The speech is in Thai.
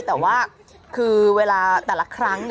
แต่ว่าคือเวลาแต่ละครั้ง